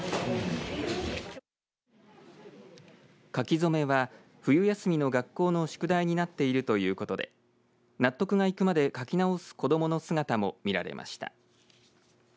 書き初めは冬休みの学校の宿題になっているということで納得がいくまで書き直す子どもの姿も見られました。